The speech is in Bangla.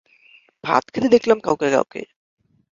ভাত খেতে দেখলাম কাউকে কাউকে।